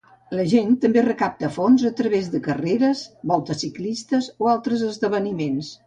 La gent també recapta fons a través de carreres, voltes ciclistes o altres esdeveniments.